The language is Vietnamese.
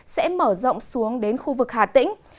sẽ mở rộng xuống đến khu vực hà tĩnh